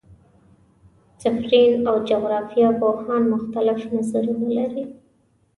مفسرین او جغرافیه پوهان مختلف نظرونه لري.